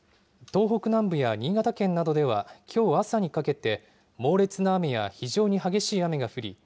東北南部や新潟県などではきょう朝にかけて猛烈な雨や非常に激しい雨が降り